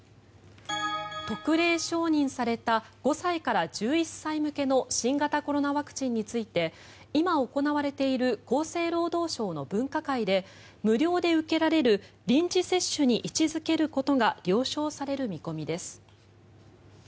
特例承認された５歳から１１歳向けの新型コロナワクチンについて今行われている厚生労働省の分科会で無料で受けられる臨時接種に位置付けることが了承される見込みです。